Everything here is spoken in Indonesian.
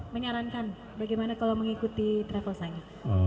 menyarankan bagaimana kalau mengikuti travel signa